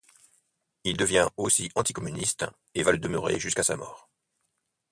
Il devient aussi anticommuniste, et va le demeurer jusqu'à sa mort.